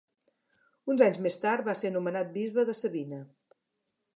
Uns anys més tard va ser nomenat bisbe de Sabina.